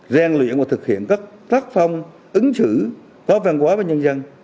gian luyện và thực hiện các tác phong ứng xử có văn hóa với nhân dân